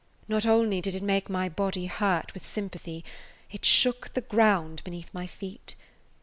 Not only did it make my body hurt with sympathy; it shook the ground beneath my feet.